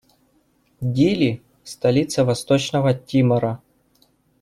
Дили - столица Восточного Тимора.